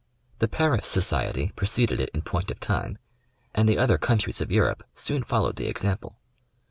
The Paris Society preceded it in point of time, and the other countries of Europe soon followed the example.